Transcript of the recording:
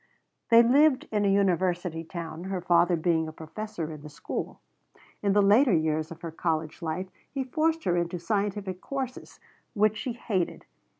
They lived in a university town, her father being a professor in the school. In the later years of her college life he forced her into the scientific courses which she hated.